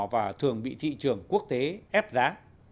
và thường bị thị trường quốc tế ép giá